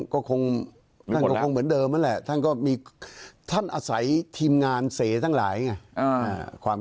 ก็คงท่านก็คงเหมือนเดิมนั่นแหละท่านก็มีท่านอาศัยทีมงานเสทั้งหลายไง